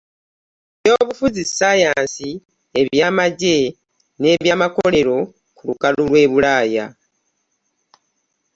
Mubyobufuzi, sayansi, ebyamajje nebyamakolero kulukalu lwe e Bulaya.